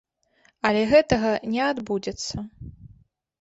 Але гэтага не адбудзецца.